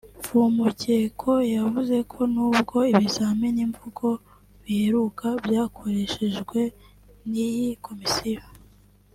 Mfumukeko yavuze ko nubwo ibizamini mvugo biheruka byakoreshejwe n’iyi komisiyo